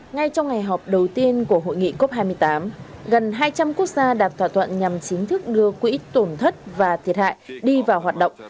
ngay trong ngày họp đầu tiên của hội nghị cop hai mươi tám gần hai trăm linh quốc gia đạt thỏa thuận nhằm chính thức đưa quỹ tổn thất và thiệt hại đi vào hoạt động